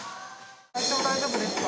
体調大丈夫ですか？